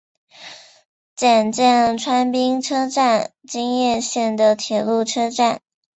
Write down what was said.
检见川滨车站京叶线的铁路车站。